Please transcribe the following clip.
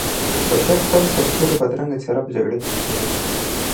بشر خپله ترټولو بدرنګه څېره په جګړه کې لیدلی شي